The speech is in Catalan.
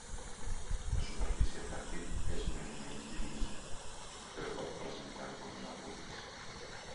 La superfície fèrtil és més o menys llisa però pot presentar algunes arrugues.